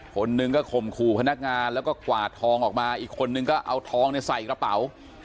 คนหนึ่งก็ข่มขู่พนักงานแล้วก็กวาดทองออกมาอีกคนนึงก็เอาทองในใส่กระเป๋า